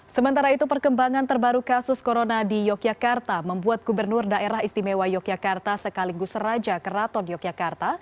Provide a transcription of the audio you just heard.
sementara itu perkembangan terbaru kasus corona di yogyakarta membuat gubernur daerah istimewa yogyakarta sekaligus raja keraton yogyakarta